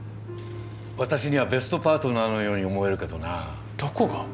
私にはベストパートナーのように思えるけどなどこが？